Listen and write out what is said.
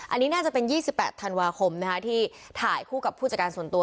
อันนี้น่าจะเป็นยี่สิบแปดธันวาคมนะฮะที่ถ่ายคู่กับผู้จัดการส่วนตัว